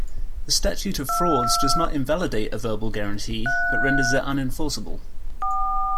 The statute of frauds does not invalidate a verbal guarantee, but renders it unenforceable.